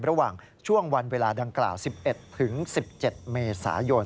ระหว่างช่วงวันเวลาดังกล่าว๑๑ถึง๑๗เมษายน